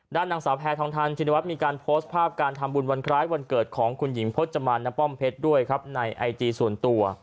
นางสาวแพทองทันชินวัฒน์มีการโพสต์ภาพการทำบุญวันคล้ายวันเกิดของคุณหญิงพจมานณป้อมเพชรด้วยครับในไอจีส่วนตัว